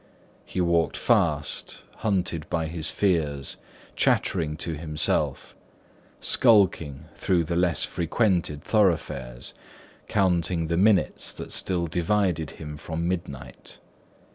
He walked fast, hunted by his fears, chattering to himself, skulking through the less frequented thoroughfares, counting the minutes that still divided him from midnight.